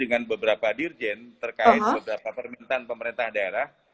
dengan beberapa dirjen terkait beberapa permintaan pemerintah daerah